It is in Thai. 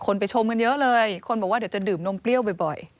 ไปชมกันเยอะเลยคนบอกว่าเดี๋ยวจะดื่มนมเปรี้ยวบ่อย